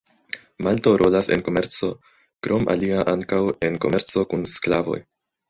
Malto rolas en komerco, krom alia ankaŭ en komerco kun sklavoj.